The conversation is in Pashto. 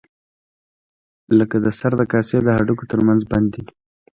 لکه د سر د کاسې د هډوکو تر منځ بند دی.